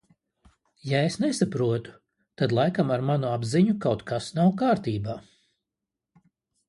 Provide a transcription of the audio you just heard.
Ja es nesaprotu, tad laikam ar manu apziņu kaut kas nav kārtībā.